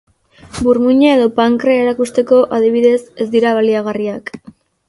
Burmuina edo pankrea erakusteko, adibidez, ez dira baliagarriak.